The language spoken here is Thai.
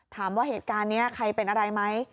ถามว่าเหตุการณ์นี้ใครเป็นอะไรไหม